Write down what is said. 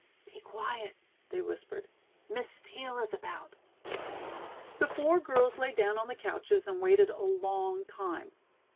"Be quiet," they whispered. "Miss Steel is about." The four girls lay down on the couches and waited a long time.